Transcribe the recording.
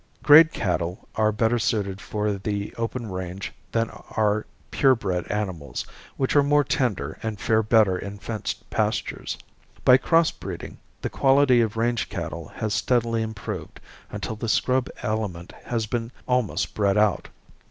Grade cattle are better suited for the open range than are pure bred animals, which are more tender and fare better in fenced pastures. By cross breeding the quality of range cattle has steadily improved until the scrub element has been almost bred out.